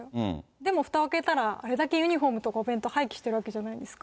でもふたを開けたら、あれだけユニフォームとかお弁当を廃棄してるわけじゃないですか。